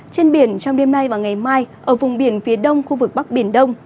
trên biển trong đêm nay và ngày mai ở vùng biển phía đông khu vực bắc biển đông